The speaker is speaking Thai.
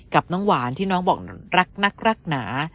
กับน้ำหวานที่น้องบอกรักนักรักหนา